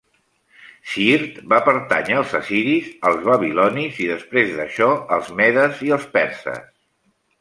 Siirt va pertànyer als assiris, als babilonis i després d'això als medes i els perses.